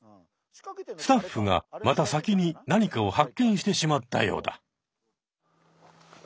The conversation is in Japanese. スタッフがまた先に何かを発見してしまったようだ。